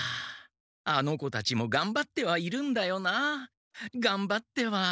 あの子たちもがんばってはいるんだよなあがんばっては。